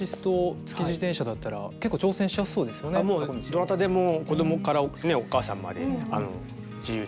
もうどなたでも子供からねっお母さんまで自由に。